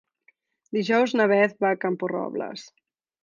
Dijous na Beth va a Camporrobles.